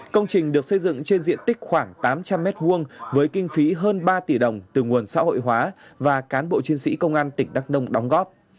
công trình được xây dựng trên diện tích khoảng tám trăm linh m hai với kinh phí hơn ba tỷ đồng từ nguồn xã hội hóa và cán bộ chiến sĩ công an tỉnh đắk nông đóng góp